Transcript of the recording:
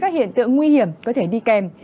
chú ý các hiện tượng nguy hiểm có thể đi kèm